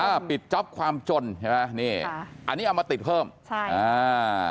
ปิดจ๊อปความจนใช่ไหมนี่อันนี้เอามาติดเพิ่มใช่อ่า